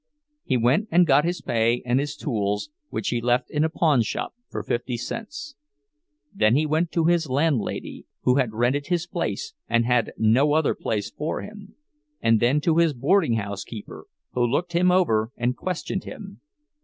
He went and got his pay and his tools, which he left in a pawnshop for fifty cents. Then he went to his landlady, who had rented his place and had no other for him; and then to his boardinghouse keeper, who looked him over and questioned him.